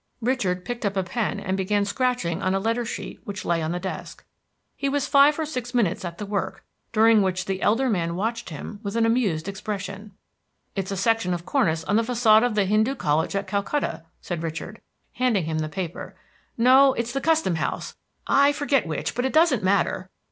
Richard picked up a pen and began scratching on a letter sheet which lay on the desk. He was five or six minutes at the work, during which the elder man watched him with an amused expression. "It's a section of cornice on the façade of the Hindoo College at Calcutta," said Richard, handing him the paper, "no, it's the custom house. I forget which; but it doesn't matter."